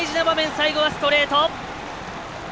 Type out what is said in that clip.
最後はストレート。